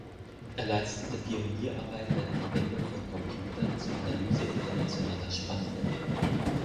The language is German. Er leistete Pionierarbeit bei der Verwendung von Computern zur Analyse internationaler Spannungen.